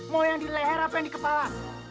mau yang di leher apa yang di kepala